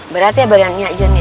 berat ya banyak john ya